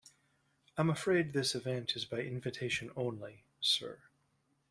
I'm afraid this event is by invitation only, sir.